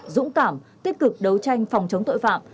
dũng cảm tích cực đấu tranh phòng chống tội phạm